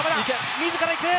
自らいく！